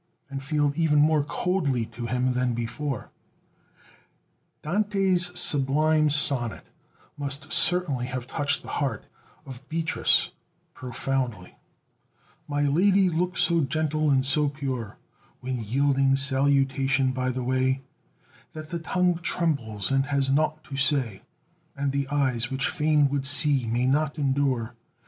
and feel even more coldly to him than before. Dante's sublime sonnet must certainly have touched the heart of Beatrice profoundly: My lady looks so gentle and so pure When yielding salutation by the way, That the tongue trembles and has nought to say, And the eyes, which fain would see, may not endure.